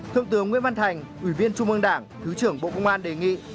thượng tướng nguyễn văn thành ủy viên trung ương đảng thứ trưởng bộ công an đề nghị